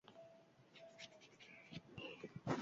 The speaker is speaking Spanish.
Éste álbum es uno de los más vendidos en la historia del gospel.